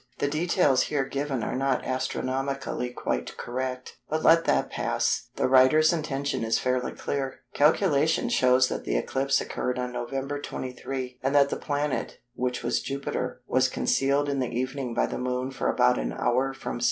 The details here given are not astronomically quite correct, but let that pass; the writer's intention is fairly clear. Calculation shows that the eclipse occurred on November 23, and that the planet, which was Jupiter, was concealed in the evening by the Moon for about an hour from 7h.